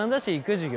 授業。